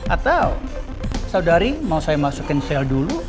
atau saudari mau saya masukin sel dulu